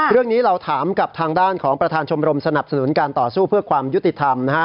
เรื่องนี้เราถามกับทางด้านของประธานชมรมสนับสนุนการต่อสู้เพื่อความยุติธรรมนะฮะ